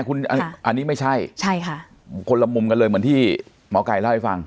อันนี้ไม่ใช่ใช่ค่ะคนละมุมกันเลยเหมือนที่หมอไก่เล่าให้ฟัง